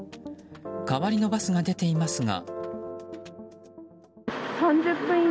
代わりのバスが出ていますが。